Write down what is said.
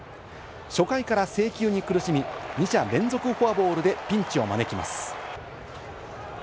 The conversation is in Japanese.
初回から制球に苦しみ、二者連続フォアボールでピンチを招きます。